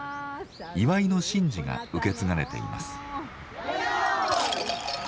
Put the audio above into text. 祝いの神事が受け継がれています。